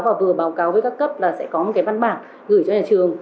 và vừa báo cáo với các cấp là sẽ có một cái văn bản gửi cho nhà trường